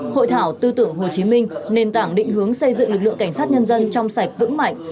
hội thảo tư tưởng hồ chí minh nền tảng định hướng xây dựng lực lượng cảnh sát nhân dân trong sạch vững mạnh